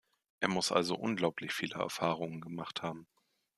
Er muss also unglaublich viele Erfahrungen gemacht haben.